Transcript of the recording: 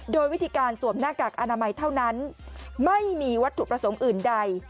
โดยวิธีการสวมหน้ากากอนามัยเท่านั้นไม่มีวัตถุประสงค์อื่นใด